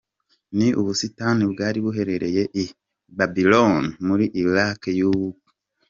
Ni ubusitani bwari buherereye i Babyloni muri Irak y’ubu.